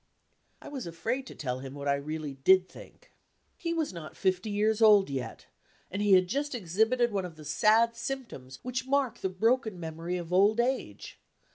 I was afraid to tell him what I really did think. He was not fifty years old yet; and he had just exhibited one of the sad symptoms which mark the broken memory of old age.